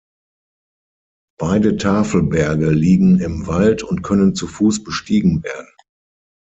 Beide Tafelberge liegen im Wald und können zu Fuß bestiegen werden.